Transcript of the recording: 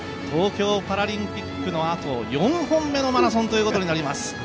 東京パラリンピックのあと４本目のマラソンということになります。